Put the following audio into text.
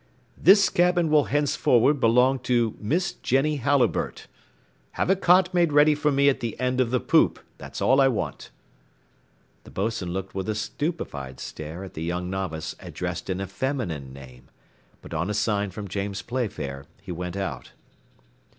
"This cabin will henceforward belong to Miss Jenny Halliburtt. Have a cot made ready for me at the end of the poop; that's all I want." The boatswain looked with a stupefied stare at the young novice addressed in a feminine name, but on a sign from James Playfair he went out.